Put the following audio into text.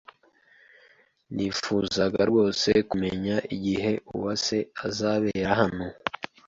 Nifuzaga rwose kumenya igihe Uwase azabera hano